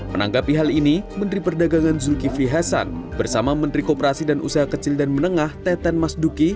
menanggapi hal ini menteri perdagangan zulkifli hasan bersama menteri kooperasi dan usaha kecil dan menengah teten mas duki